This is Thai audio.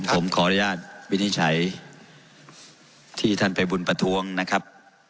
ผมขออนุญาตวินิจฉัยที่ท่านภัยบุญประท้วงนะครับ